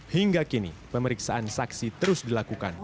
hingga kini pemeriksaan saksi terus dilakukan